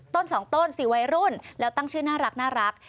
ต้น๒ต้น๔วัยรุ่นแล้วตั้งชื่อน่ารัก